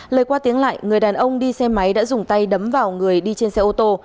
lời qua tiếng lại người đàn ông đi xe máy đã dùng tay đấm vào người đi trên xe ô tô